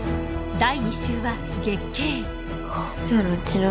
第２集は月経。